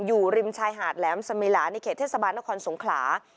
อยู่ริมชายหาดแหลมสมิลาในเขตเทศบาลนครสงขลา